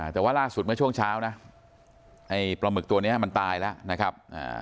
แต่ว่าล่าสุดเมื่อช่วงเช้านะไอ้ปลาหมึกตัวนี้มันตายแล้วนะครับ